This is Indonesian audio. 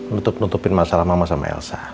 nutup nutupin masalah mama sama elsa